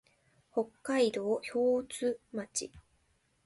北海道標津町